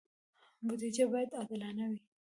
بودجه باید عادلانه وي